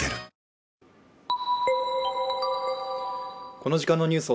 この時間のニュース